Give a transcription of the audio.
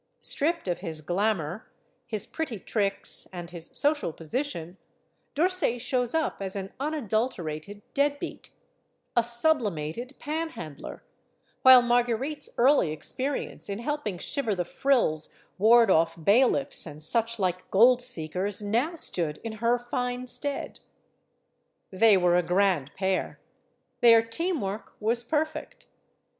Stripped of his glamour, his pretty tricks, and his social position, D'Orsay shows up as an unadulterated dead beat, a sublimated panhandler; while Marguerite's early experience in helping Shiver the Frills ward off bailiffs and suchlike gold seekers now stood her in fine stead. They were a grand pair. Their team work was perfect.